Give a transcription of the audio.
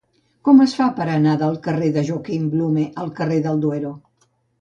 Com es fa per anar del carrer de Joaquim Blume al carrer del Duero?